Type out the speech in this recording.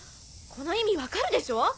この意味分かるでしょ？